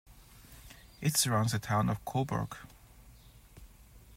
It surrounds the Town of Cobourg.